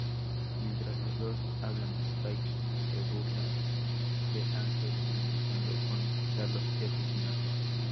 Mientras los dos hablan Spike se burla de Ángel, amenazando con visitarlo y asesinarlo.